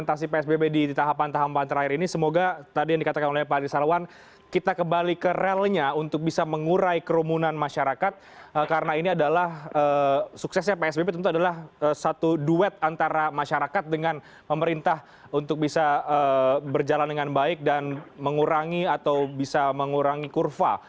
atau bisa mengurangi kurva